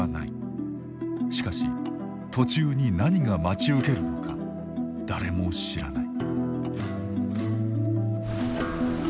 しかし途中に何が待ち受けるのか誰も知らない。